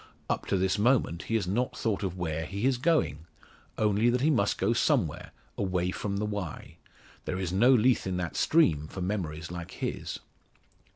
Up to this moment he has not thought of where he is going; only that he must go somewhere away from the Wye. There is no Lethe in that stream for memories like his.